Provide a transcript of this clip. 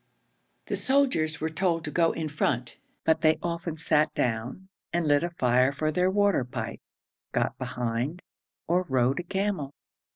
The soldiers were told to go in front, but they often sat down and lit a fire for their water pipe, got behind, or rode a camel.